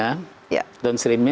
nah dibanding downstreamnya